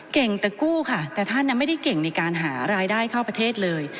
เก่งแต่กู้ค่ะแต่ท่านไม่ได้เก่งในการหารายได้เข้าประเทศเลย